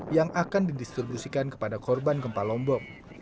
yang akan didistribusikan kepada korban gempa lombok